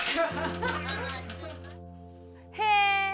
へえ！